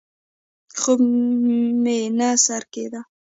خوب مې نه سر کېده.